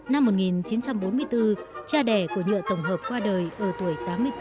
năm một nghìn chín trăm bốn mươi bốn cha đẻ của nhựa tổng hợp qua đời ở tuổi tám mươi bốn